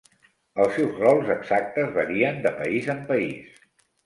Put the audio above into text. Els seus rolls exactes varien de país en país.